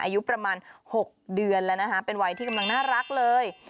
อายุประมาณ๖เดือนแล้วนะคะเป็นวัยที่กำลังน่ารักเลย